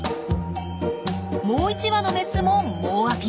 もう１羽のメスも猛アピール！